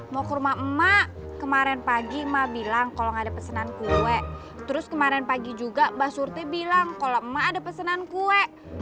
mau ke rumah mak kemarin pagi mak bilang kalau gak ada pesenan kue terus kemarin pagi juga mbak surti bilang kalau mak ada pesenan kue